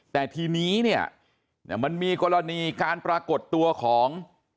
แต่ทีนี้เนี่ยมันมีกรณีการปรากฏตัวของ